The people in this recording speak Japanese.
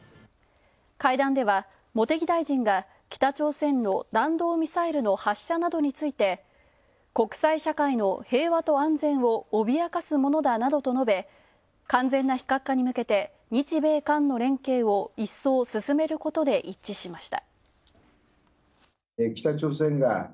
会談では茂木外務大臣が北朝鮮の弾道ミサイルの発射などについて国際社会の平和と安全を脅かすものだなどと述べ完全な非核化に向けて日米韓の連携を一層進めることで一致しました。